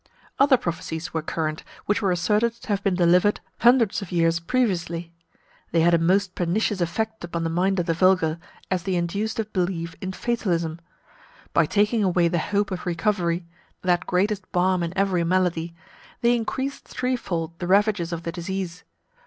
Other prophecies were current, which were asserted to have been delivered hundreds of years previously. They had a most pernicious effect upon the mind of the vulgar, as they induced a belief in fatalism. By taking away the hope of recovery that greatest balm in every malady they increased threefold the ravages of the disease.